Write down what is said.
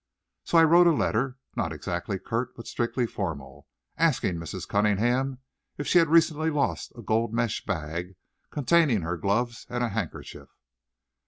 So I wrote a letter, not exactly curt, but strictly formal, asking Mrs. Cunningham if she had recently lost a gold mesh bag, containing her gloves and handkerchief.